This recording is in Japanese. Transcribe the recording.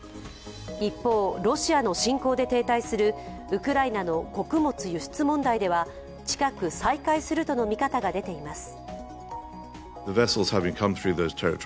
一方、ロシアの侵攻で停滞するウクライナの穀物輸出問題では近く再開するとの見方が出ています。